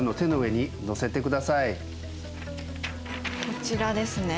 こちらですね。